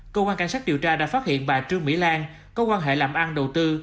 cơ quan cảnh sát điều tra đã phát hiện bà trương mỹ lan có quan hệ làm ăn đầu tư